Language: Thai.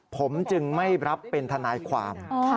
ผมจึงไม่รับเป็นทนายความ